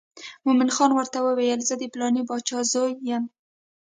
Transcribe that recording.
مومن خان ورته وویل زه د پلانې باچا زوی یم.